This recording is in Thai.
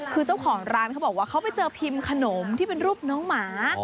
คือเจ้าของร้านเขาบอกว่าเขาไปเจอพิมพ์ขนมที่เป็นรูปน้องหมา